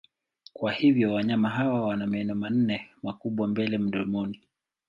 Kwa hivyo wanyama hawa wana meno manne makubwa mbele mdomoni.